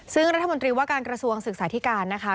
ซึ่งรัฐมนตรีว่าการกระทรวงศึกษาธิการนะคะ